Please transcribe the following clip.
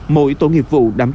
mỗi tổ nghiệp vụ đảm bảo